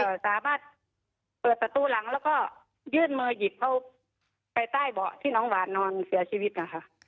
ก็สามารถเปิดประตูหลังแล้วก็ยื่นมือหยิบเขาไปใต้เบาะที่น้องหวานนอนเสียชีวิตนะคะ